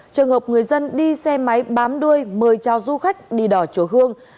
trường hợp người dân đi xe máy bám đuôi mời trao du khách đi đò chỗ hương